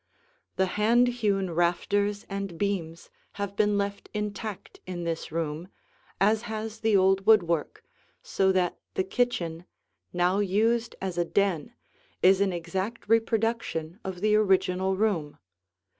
The hand hewn rafters and beams have been left intact in this room, as has the old woodwork, so that the kitchen, now used as a den, is an exact reproduction of the original room.